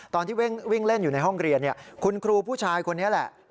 ตอนที่วิ่งเล่นอยู่ในห้องเรียนคุณครูผู้ชายคนนี้แหละ